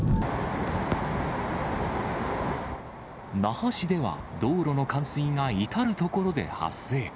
那覇市では、道路の冠水が至る所で発生。